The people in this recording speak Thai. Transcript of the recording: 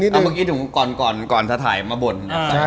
เมื่อกี้ถุงกรรสไทยมาบ่นนะ